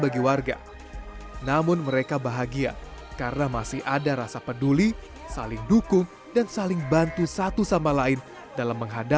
kegiatan berbagi sayur selasa ceria ini menjadi kegiatan yang sangat penting